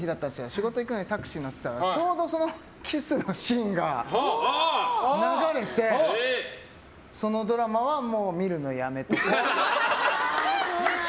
仕事行くのにタクシー乗ってたらちょうどキスのシーンが流れてそのドラマは、見るのやめとこう。